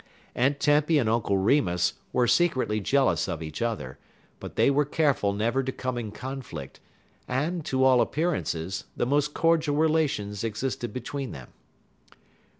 Aunt Tempy and Uncle Remus were secretly jealous of each other, but they were careful never to come in conflict, and, to all appearances, the most cordial relations existed between them.